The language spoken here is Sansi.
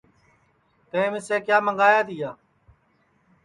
تیئں مِسے کیا منٚگوایا تیا